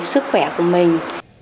sức khỏe của mình